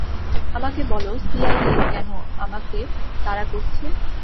আমাকে বল সিআইএ কেন আমাকে তাড়া করছে?